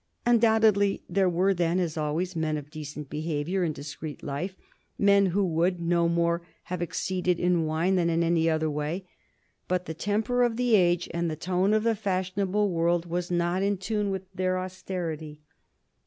Undoubtedly there were then, as always, men of decent behavior and discreet life, men who would no more have exceeded in wine than in any other way. But the temper of the age and the tone of the fashionable world was not in tune with their austerity.